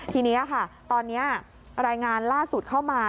ทีนี้ค่ะตอนนี้รายงานล่าสุดเข้ามา